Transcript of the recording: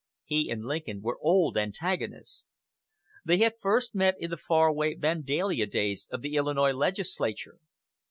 He and Lincoln were old antagonists. They had first met in the far away Vandalia days of the Illinois legislature.